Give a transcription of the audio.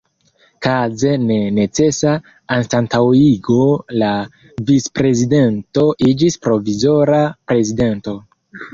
Kaze de necesa anstataŭigo la Vicprezidento iĝis Provizora Prezidento.